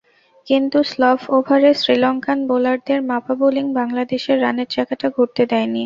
কিন্তু স্লভ ওভারে শ্রীলঙ্কান বোলারদের মাপা বোলিং বাংলাদেশের রানের চাকাটা ঘুরতে দেয়নি।